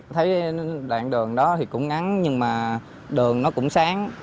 thấy đoạn đường đó thì cũng ngắn nhưng mà đường nó cũng sáng